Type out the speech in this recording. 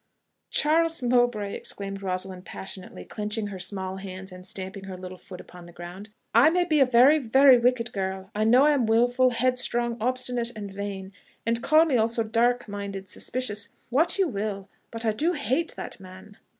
"Charles Mowbray!" exclaimed Rosalind passionately, clenching her small hands and stamping her little foot upon the ground "I may be a very, very wicked girl: I know I am wilful, headstrong, obstinate, and vain; and call me also dark minded, suspicious, what you will; but I do hate that man."